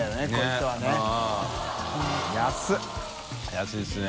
造ぁ安いですね。